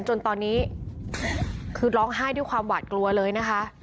จนตอนนี้คือร้องไห้ด้วยความหวาดกลัวเลยนะคะ